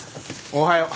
おおはよう。